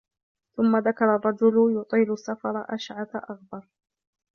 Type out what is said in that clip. ثُمَّ ذَكَرَ الرَّجُلَ يُطِيلُ السَّفَرَ أَشْعَثَ أَغْبَرَ